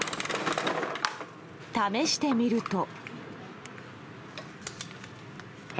試してみると。